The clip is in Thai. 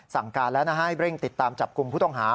สั่งการแล้วนะให้เร่งติดตามจับกลุ่มผู้ต้องหา